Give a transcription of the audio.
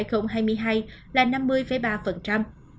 số ca nhiễm omicron tăng mạnh chủ yếu ở tỉnh seoul và vùng hồ nam